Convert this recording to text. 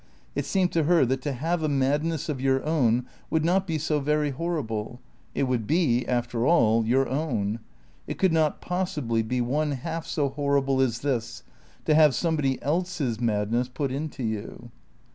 It seemed to her that to have a madness of your own would not be so very horrible. It would be, after all, your own. It could not possibly be one half so horrible as this, to have somebody else's madness put into you.